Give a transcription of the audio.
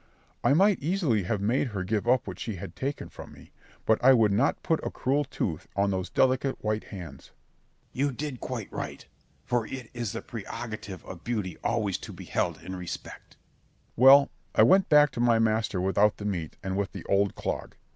I might easily have made her give up what she had taken from me; but I would not put a cruel tooth on those delicate white hands. Scip. You did quite right; for it is the prerogative of beauty always to be held in respect. Berg. Well, I went back to my master without the meat and with the old clog.